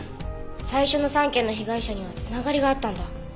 最初の３件の被害者にはつながりがあったんだ。